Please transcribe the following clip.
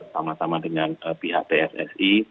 sama sama dengan pihak pssi